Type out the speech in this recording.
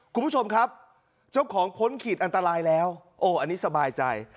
คุณผู้ชมครับเจ้าของพ้นขีดอันตรายแล้วโอ้อันนี้สบายใจ